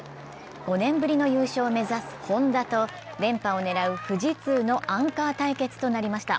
５年ぶりの優勝を目指すＨｏｎｄａと連覇を狙う富士通のアンカー対決となりました。